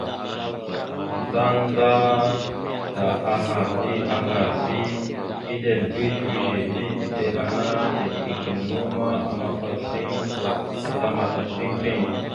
Tandzata aha bi aŋgar bi eɗel bi slʉze bi iɗeŋa ana teslekal naw ma, amafat piŋ gata maɗak piŋ piŋ.